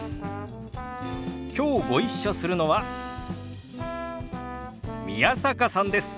きょうご一緒するのは宮坂さんです。